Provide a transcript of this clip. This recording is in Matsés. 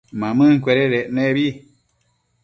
Mamëncuededec nebi